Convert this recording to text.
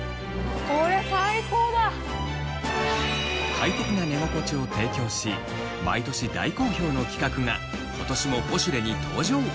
快適な寝心地を提供し毎年大好評の企画が今年も『ポシュレ』に登場！